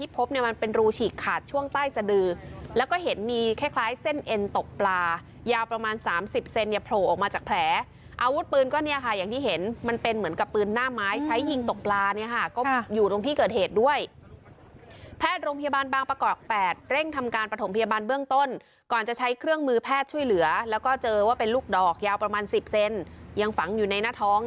ประมาณ๓๐เซนต์เนี่ยโผล่ออกมาจากแผลอาวุธปืนก็เนี่ยค่ะอย่างที่เห็นมันเป็นเหมือนกับปืนหน้าไม้ใช้ยิงตกปลาเนี่ยค่ะก็อยู่ตรงที่เกิดเหตุด้วยแพทย์โรงพยาบาลบางประกอบ๘เร่งทำการประถมพยาบาลเบื้องต้นก่อนจะใช้เครื่องมือแพทย์ช่วยเหลือแล้วก็เจอว่าเป็นลูกดอกยาวประมาณ๑๐เซนต์ยังฝังอยู่ใ